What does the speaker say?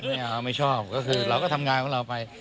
เราไม่ชอบก็คือเราก็ทำงานของเราไป